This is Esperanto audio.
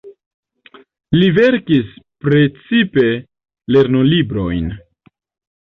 Li verkis precipe lernolibrojn.